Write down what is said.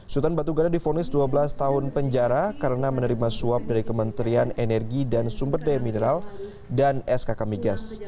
sutan batugana difonis dua belas tahun penjara karena menerima suap dari kementerian energi dan sumber daya mineral dan sk kamigas